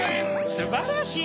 すばらしい！